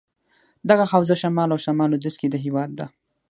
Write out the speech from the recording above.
دغه حوزه شمال او شمال لودیځ کې دهیواد ده.